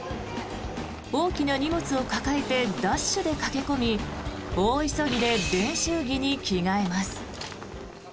大きな荷物を抱えてダッシュで駆け込み大急ぎで練習着に着替えます。